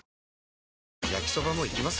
焼きソバもいきます？